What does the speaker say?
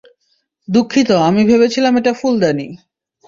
দুঃখিত, আমি ভেবেছিলাম এটা ফুলদানি।